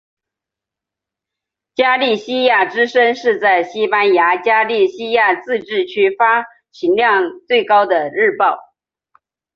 加利西亚之声是在西班牙加利西亚自治区发行量最高的日报。